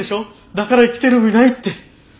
だから生きてる意味ないって。